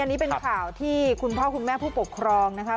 อันนี้เป็นข่าวที่คุณพ่อคุณแม่ผู้ปกครองนะคะ